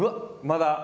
まだ？